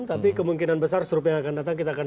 tapi kemungkinan besar survei yang akan datang kita akan